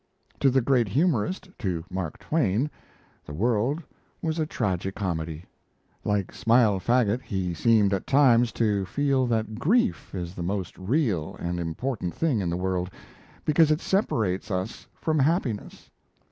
To the great humorist to Mark Twain the world was a tragi comedy. Like Smile Faguet, he seemed at times to feel that grief is the most real and important thing in the world because it separates us from happiness.